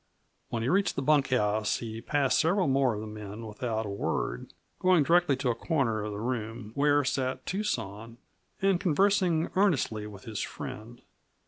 When he reached the bunkhouse he passed several more of the men without a word, going directly to a corner of the room where sat Tucson and conversing earnestly with his friend.